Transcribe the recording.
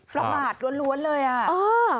ประมาทล้วนเลยอ่ะ